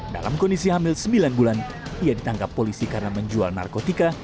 dalam kondisi hamil sembilan bulan ia ditangkap polisi karena menjual narkotika